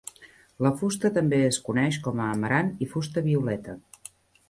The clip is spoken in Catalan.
La fusta també es coneix com a amarant i fusta violeta.